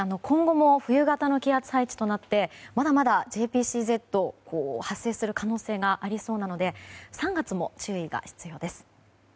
今後も冬型の気圧配置となってまだまだＪＰＣＺ発生する可能性がありそうなので３月も注意が必要です。